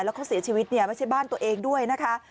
แล้วเขาเสียชีวิตเนี่ยไม่ใช่บ้านตัวเองด้วยนะคะ